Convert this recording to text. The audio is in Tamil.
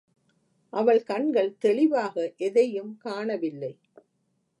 அவள் கண்கள் தெளிவாக எதையும் காண வில்லை.